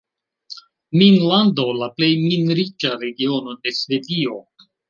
"Minlando", la plej min-riĉa regiono de Svedio.